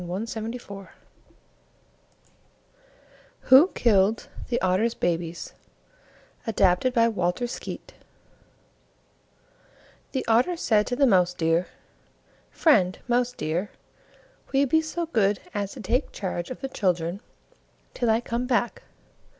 WHO KILLED THE OTTER'S BABIES ADAPTED BY WALTER SKEAT The Otter said to the Mouse deer, "Friend Mouse deer, will you be so good as to take charge of the children till I come back?